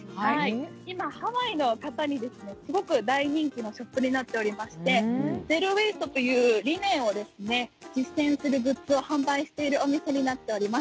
今ハワイの方にすごく大人気のショップになっておりましてゼロウェイストという理念を実践するグッズを販売しているお店になっております。